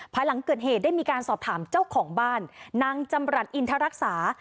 ภายหลังเกิดเหตุได้มีการสอบถามเจ้าของบ้านนางจำรัฐอินทรรักษา